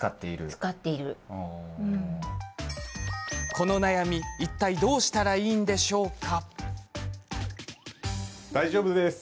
この悩み、いったいどうしたらいいんでしょうか？